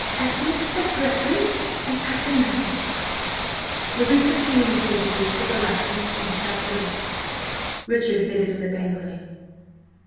Admit Sir Gregory and Captain Lovelace." Louisa communicated this to the lackey and shut the door. Richard bit his lip angrily.